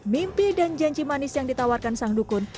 mimpi dan janji manis yang ditawarkan sang dukun